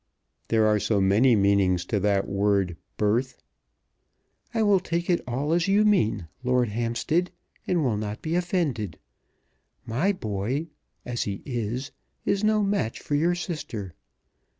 "There are so many meanings to that word 'birth.'" "I will take it all as you mean, Lord Hampstead, and will not be offended. My boy, as he is, is no match for your sister.